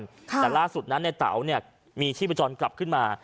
แต่ล่าสุดนั้นในเต๋าเนี่ยมีชีพจรกลับขึ้นมา